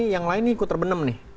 yang lain ini ikut terbenam nih